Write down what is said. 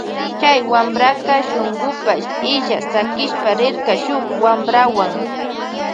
Chay wampraka shungupash illa sakishpa rirka shuk wamprawuan.